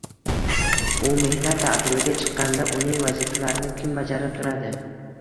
U mehnat taʼtiliga chiqqanda uning vazifalarini kim bajarib turadi?